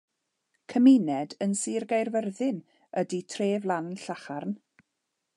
Cymuned yn Sir Gaerfyrddin ydy Treflan Lacharn.